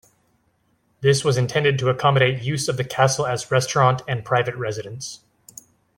This was intended to accommodate use of the castle as restaurant and private residence.